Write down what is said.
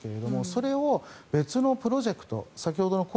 それを別のプロジェクト先ほどの恒